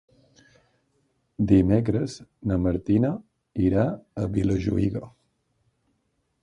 Dimecres na Martina irà a Vilajuïga.